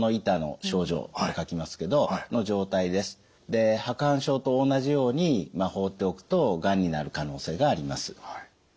で白板症と同じように放っておくとがんになる可能性があります。